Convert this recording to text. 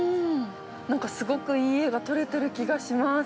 ◆なんか、すごくいい画が撮れてる気がします。